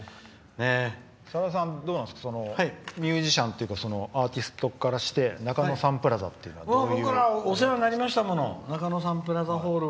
さださんミュージシャンというかアーティストからして中野サンプラザというのはどういう。